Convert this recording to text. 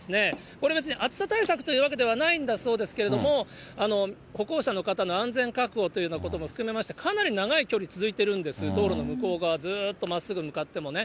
これ、別に暑さ対策というわけではないんだそうですけども、歩行者の方の安全確保というようなことも含めまして、かなり長い距離続いてるんです、道路の向こう側、ずーっとまっすぐ向かってもね。